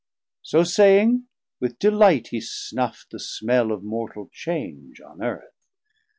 So saying, with delight he snuff'd the smell Of mortal change on Earth.